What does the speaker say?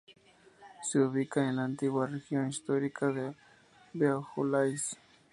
Se ubica en la antigua región histórica de "Beaujolais".